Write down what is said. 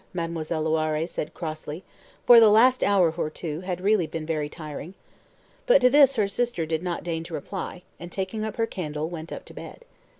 Mademoiselle Loiré said crossly, for the last hour or two had really been very tiring. But to this her sister did not deign to reply, and, taking up her candle, went up to bed.